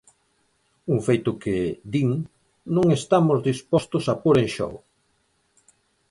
Un feito que, din, "non estamos dispostos a pór en xogo".